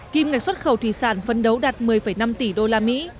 kim ngạc xuất khẩu thủy sản phân đấu đạt một mươi năm tỷ usd